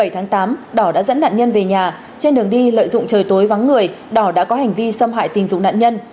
bảy tháng tám đỏ đã dẫn nạn nhân về nhà trên đường đi lợi dụng trời tối vắng người đỏ đã có hành vi xâm hại tình dục nạn nhân